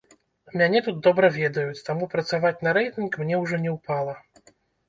Мяне тут добра ведаюць, таму працаваць на рэйтынг мне ўжо не ўпала.